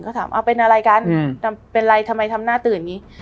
ก็ถามเป็นอะไรกันเป็นอะไรทำไมทำหน้าตื่น